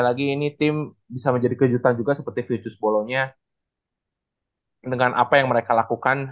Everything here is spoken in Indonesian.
lagi ini tim bisa menjadi kejutan juga seperti furtus bolonya dengan apa yang mereka lakukan